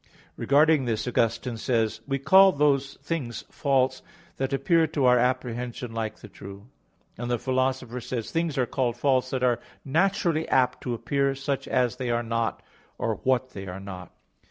Regarding this, Augustine says (Soliloq. ii, 6): "We call those things false that appear to our apprehension like the true:" and the Philosopher says (Metaph. v, 34): "Things are called false that are naturally apt to appear such as they are not, or what they are not."